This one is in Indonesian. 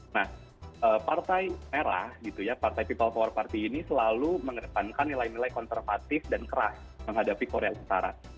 nah partai merah gitu ya partai people power party ini selalu mengedepankan nilai nilai konservatif dan keras menghadapi korea utara